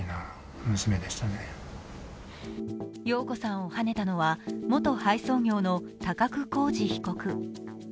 燿子さんをはねたのは元配送業の高久浩二被告。